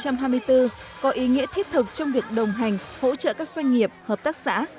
năm hai nghìn hai mươi bốn có ý nghĩa thiết thực trong việc đồng hành hỗ trợ các doanh nghiệp hợp tác xã